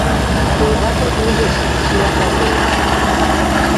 Тойбатр ужеш — шляпӓ толын.